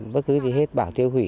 bất cứ gì hết bảo tiêu hủy